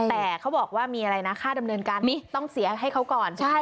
แต่เขาบอกว่ามีอะไรนะค่าดำเนินการนี้ต้องเสียให้เขาก่อน